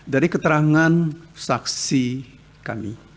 dari keterangan saksi kami